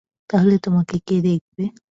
তাহলে তোমাকে কে দেখবে?